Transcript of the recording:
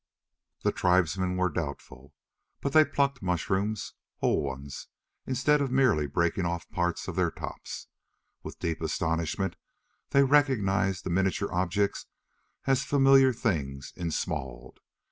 The tribesmen were doubtful. But they plucked mushrooms whole ones! instead of merely breaking off parts of their tops. With deep astonishment they recognized the miniature objects as familiar things ensmalled.